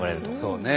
そうね。